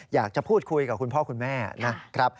อยากจะพูดคุยกับคุณพ่อคุณแม่นะครับ